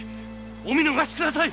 お見逃しください！